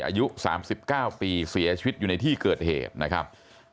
อายุ๓๙ปีเสียชีวิตอยู่ในที่เกิดเหตุนะครับ